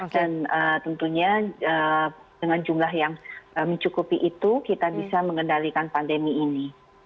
dan tentunya dengan jumlah yang mencukupi itu kita bisa mengendalikan pandemi ini